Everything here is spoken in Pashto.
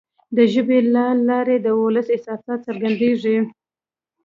د ژبي له لارې د ولس احساسات څرګندیږي.